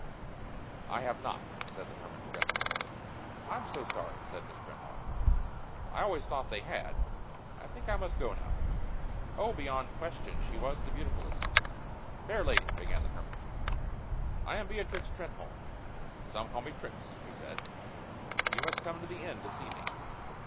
"I have not," said the hermit, regretfully. "I'm so sorry," said Miss Trenholme. "I always thought they had. I think I must go now." Oh, beyond question, she was the beautifulest. "Fair lady " began the hermit. "I am Beatrix Trenholme some call me Trix," she said. "You must come to the inn to see me."